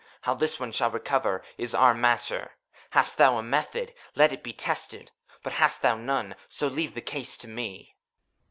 How this one shall recover, is our matter. Hast thou a method, let it tested be ! But hast thou none, so leave the case to me!